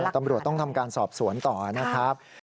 ตำรวจต้องทำการสอบสวนต่อนะครับ